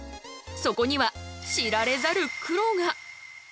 そこには知られざる苦労が。